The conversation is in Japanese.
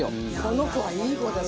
この子はいい子だよ！